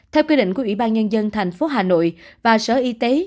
theo quy định của ủy ban nhân dân tp hà nội và sở y tế